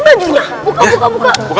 buka buka buka